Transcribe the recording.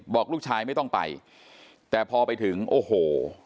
บอกลูกชายไม่ต้องไปแต่พอไปถึงโอ้โห